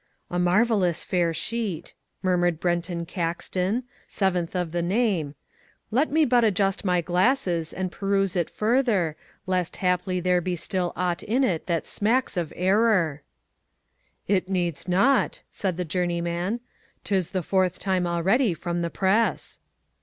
"A marvellous fair sheet," murmured Brenton Caxton, seventh of the name, "let me but adjust my glasses and peruse it further lest haply there be still aught in it that smacks of error." "It needs not," said the journeyman, "'tis the fourth time already from the press."